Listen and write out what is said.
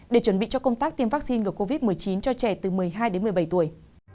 để chuẩn bị cho công tác tiêm vaccine ngừa covid một mươi chín cho trẻ từ một mươi hai đến một mươi bảy tuổi